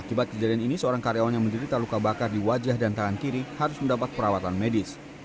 akibat kejadian ini seorang karyawan yang menderita luka bakar di wajah dan tangan kiri harus mendapat perawatan medis